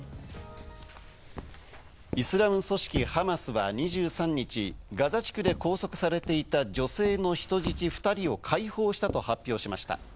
イスラム組織ハマスは２３日、ガザ地区で拘束されていた女性の人質２人を解放したと発表しました。